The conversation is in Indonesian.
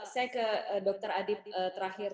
saya ke dr adib terakhir